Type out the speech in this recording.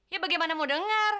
ya bagaimana mau denger